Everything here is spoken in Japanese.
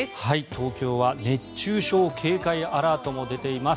東京は熱中症警戒アラートも出ています。